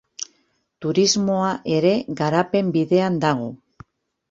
Turismoa ere garapen bidean dago.